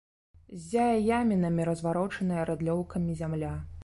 Ззяе ямінамі разварочаная рыдлёўкамі зямля.